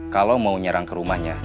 kalau mau nyerang ke rumahnya